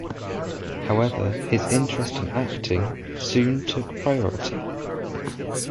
However, his interest in acting soon took priority.